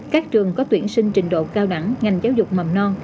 các trường có tuyển sinh trình độ cao đẳng ngành giáo dục mầm non